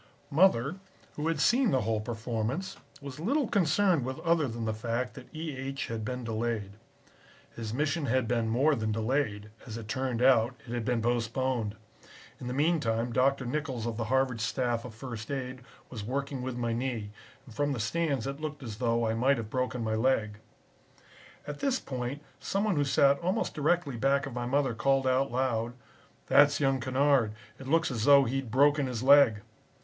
"Mother, who had seen the whole performance, was little concerned with other than the fact that E. H. had been delayed. His mission had been more than delayed as it turned out, it had been postponed. In the meantime Dr. Nichols of the Harvard staff of first aid was working with my knee, and from the stands it looked as though I might have broken my leg. "At this point some one who sat almost directly back of my mother called out loud, 'That's young Kennard. It looks as though he'd broken his leg.'